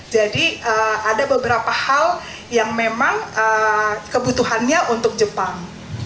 jadi ada beberapa hal yang memang kebutuhannya untuk jepang